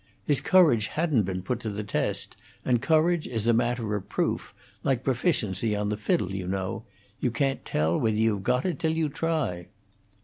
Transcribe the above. His courage hadn't been put to the test, and courage is a matter of proof, like proficiency on the fiddle, you know: you can't tell whether you've got it till you try."